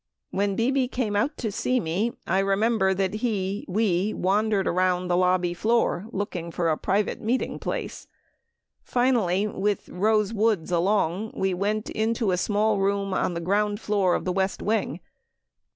When Bebe came out to see me, I remember that he — we wandered around the lobby floor looking for a private meet ing place. Finally with Rose Woods along, we went into a small room on the ground floor of the West Wing.